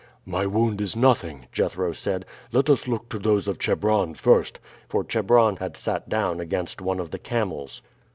"My wound is nothing," Jethro said; "let us look to those of Chebron first," for Chebron had sat down against one of the camels.